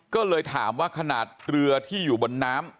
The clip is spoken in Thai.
ก็เลยถามว่าขนาดเรือที่อยู่บนน้ำ